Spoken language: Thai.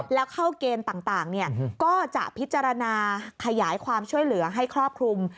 แล้วเข้าเกณฑ์ต่างก็จะพิจารณาขยายความช่วยเหลือให้ครอบคลุม